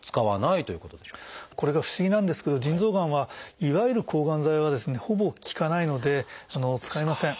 これが不思議なんですけど腎臓がんはいわゆる抗がん剤はですねほぼ効かないので使いません。